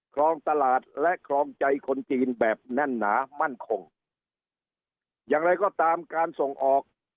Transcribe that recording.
ครองตลาดและครองใจคนจีนแบบแน่นหนามั่นคงอย่างไรก็ตามการส่งออก